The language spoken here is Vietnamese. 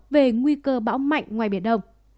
về nguy cơ bão mạnh ngoài biển đông